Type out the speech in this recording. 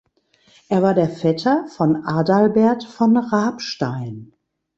Er war der Vetter von Adalbert von Rabstein.